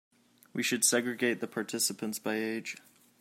We should segregate the participants by age.